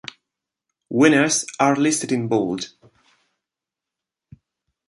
Winners are listed in bold.